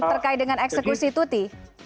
terkait dengan eksekusi tuti